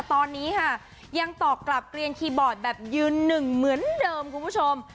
ตอนนี้ค่ะยังตอบกลับเกลียนคีย์บอร์ดแบบยืนหนึ่งเหมือนเดิมคุณผู้ชม